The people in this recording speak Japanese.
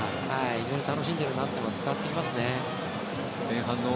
非常に楽しんでるなっていうのが伝わってきますね。